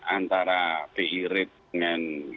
antara bi rate dengan